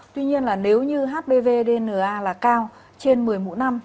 tuy nhiên là nếu như hpvdna là cao trên một mươi mũi năm